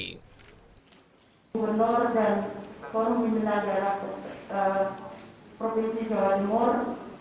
kepala dan korum pembina daerah provinsi jawa timur